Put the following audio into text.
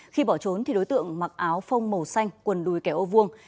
khi bỏ trốn thì đối tượng mặc áo phông màu xanh quần đùi kẻ ô vuông